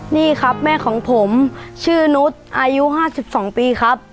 นี่ครับแม่ของผมชื่อนุษย์อายุ๕๒ปีครับ